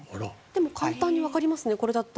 でも簡単にわかりますね。